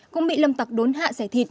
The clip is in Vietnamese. cũng bị lâm tạc đốn hạ xẻ thịt